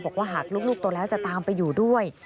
บอกว่าหากลูกโตแล้วจะตามไปอยู่ด้วย